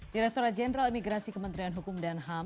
direkturat jenderal imigrasi kementerian hukum dan ham